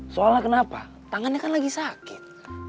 soalnya kenapa tangannya kan lagi sakit